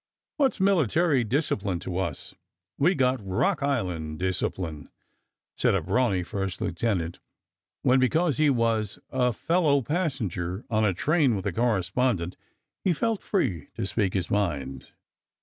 "What's military discipline to us? We got Rock Island discipline," said a brawny first lieutenant, when, because he was a fellow passenger on a train with a correspondent, he felt free to speak his mind.